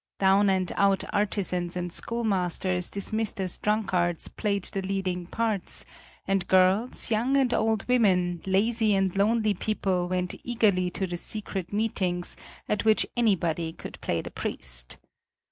"Down and out" artisans and schoolmasters dismissed as drunkards played the leading parts, and girls, young and old women, lazy and lonely people went eagerly to the secret meetings at which anybody could play the priest.